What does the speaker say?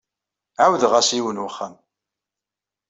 Ɛawdeɣ-as i yiwen n wexxam.